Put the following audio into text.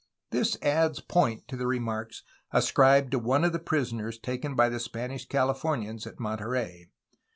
This adds point to the remarks ascribed to one of the prisoners taken by the Spanish Cahfornians at Mon terey.